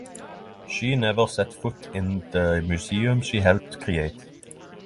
She never set foot in the museum she helped create.